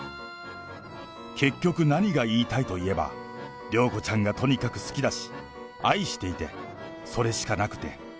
結局、何が言いたいといえば、涼子ちゃんがとにかく好きだし、愛していて、それしかなくて。